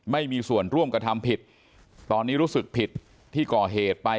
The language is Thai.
ไม่มีส่วนร่วมกระทำผิดตอนนี้รู้สึกผิดที่ก่อเหตุไป